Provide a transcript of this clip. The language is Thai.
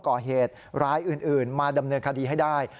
ก่อเหตุร้ายอื่นมาดำเนินคดีให้ได้